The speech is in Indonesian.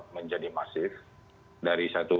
menjadi masif dari satu